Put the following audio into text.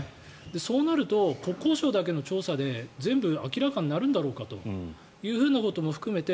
そうなると国交省だけの調査で全部明らかになるんだろうかということも含めて